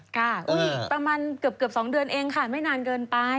ค่ะประมาณเกือบ๒เดือนเองค่ะไม่นานเกินไป